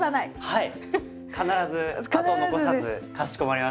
はい。